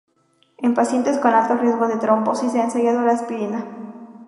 En pacientes con alto riesgo de trombosis se ha ensayado la aspirina.